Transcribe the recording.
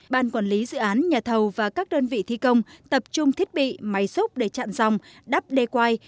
ban quản lý dự án nhà thầu và các đơn vị thi công tập trung thiết bị máy xúc để chặn dòng đắp đê quai